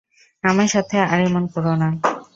আমার সাথে আর এমন করো না।